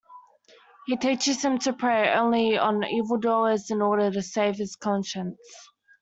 He teaches him to prey only on evildoers in order to save his conscience.